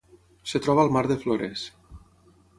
Es troba al Mar de Flores.